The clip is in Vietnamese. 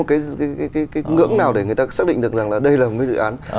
vậy thì có một cái ngưỡng nào để người ta xác định được rằng là đây là một cái dự án